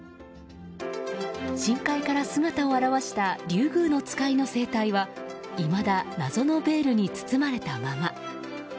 深海から姿を現したリュウグウノツカイの生態はいまだ謎のベールに包まれたまま。